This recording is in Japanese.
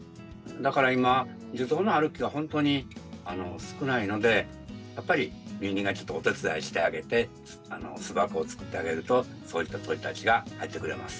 だから今樹洞のある木はほんとに少ないのでやっぱり人間がちょっとお手伝いしてあげて巣箱を作ってあげるとそういった鳥たちが入ってくれます。